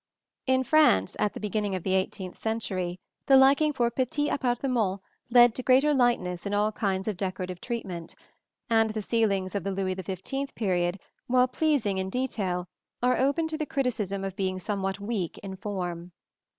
In France, at the beginning of the eighteenth century, the liking for petits appartements led to greater lightness in all kinds of decorative treatment; and the ceilings of the Louis XV period, while pleasing in detail, are open to the criticism of being somewhat weak in form.